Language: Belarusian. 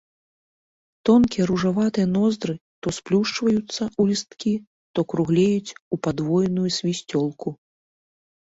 Тонкія ружаватыя ноздры то сплюшчваюцца ў лісткі, то круглеюць у падвойную свісцёлку.